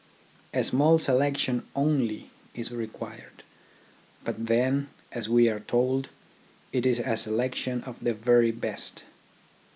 A small selection only is required ; but then, as we are told, it is a selection of the very best.